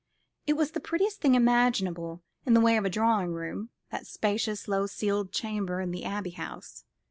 It was the prettiest thing imaginable in the way of a drawing room, that spacious low ceiled chamber in the Abbey House.